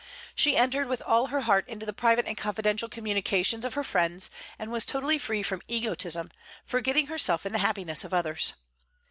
She entered with all her heart into the private and confidential communications of her friends, and was totally free from egotism, forgetting herself in the happiness of others.